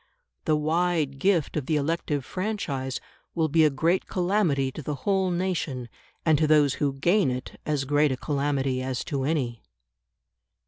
The wide gift of the elective franchise will be a great calamity to the whole nation, and to those who gain it as great a calamity as to any.